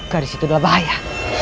kedisi itu adalah bahaya